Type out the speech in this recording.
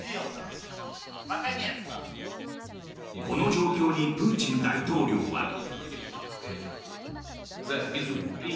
この状況にプーチン大統領は。